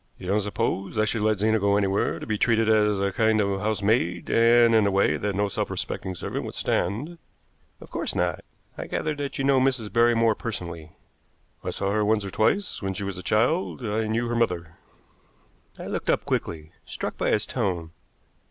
You don't suppose I should let Zena go anywhere to be treated as a kind of housemaid, and in a way that no self respecting servant would stand?" "Of course not. I gather that you know Mrs. Barrymore personally?" "I saw her once or twice when she was a child. I knew her mother." I looked up quickly, struck by his tone.